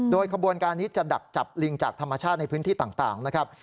โดยขบวนการนี้จะดักจับลิงจากธรรมชาติในพื้นที่ต่างนะครับ